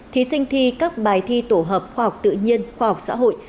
thí sinh thi các bài thi tổ hợp khoa học tự nhiên khoa học xã hội